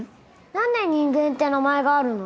なんで人間って名前があるの？